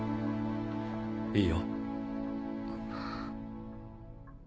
いいよ。